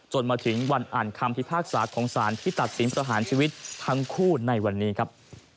มาถึงวันอ่านคำพิพากษาของสารที่ตัดสินประหารชีวิตทั้งคู่ในวันนี้ครับ